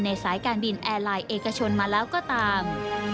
สายการบินแอร์ไลน์เอกชนมาแล้วก็ตาม